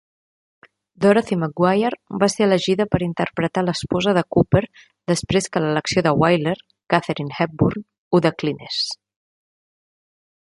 Dorothy McGuire va ser elegida per interpretar l'esposa de Cooper després que l'elecció de Wyler, Katharine Hepburn, ho declinés.